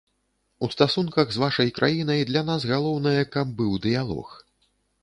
У стасунках з вашай краінай для нас галоўнае, каб быў дыялог.